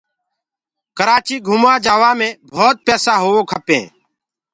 ڪرآچيٚ گھموآ جآوآ مي ڀوت پيسآ هوو کپينٚ